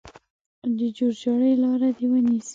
د جوړجاړي لاره دې ونیسي.